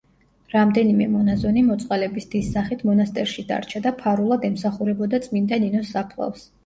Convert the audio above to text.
რამდენიმე მონაზონი მოწყალების დის სახით მონასტერში დარჩა და ფარულად ემსახურებოდა წმიდა ნინოს საფლავს.